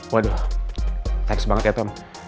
waduh teks banget ya tom